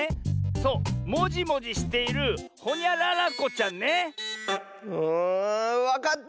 そうもじもじしているほにゃららこちゃんね。んわかった！